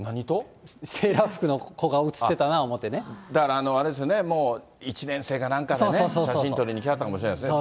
セーラー服の子が映ってたなだからあれですよね、もう１年生かなんかでね、写真撮りに来はったかもしれないね。